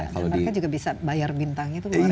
dan mereka juga bisa bayar bintangnya itu luar biasa